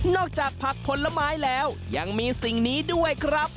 จากผักผลไม้แล้วยังมีสิ่งนี้ด้วยครับ